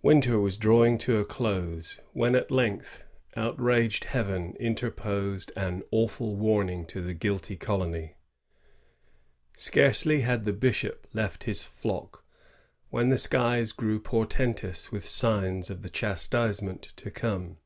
Winter was drawing to a close, when, at length, outraged Heaven interposed an awful warning to the guilty colony. Scarcely had the bishop left his flock when the skies grew portentous with signs of the chastisement to come.